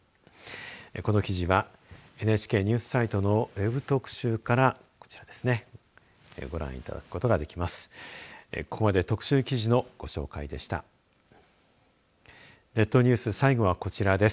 この記事はＮＨＫニュースサイトのＷＥＢ特集からご覧いただくことができます。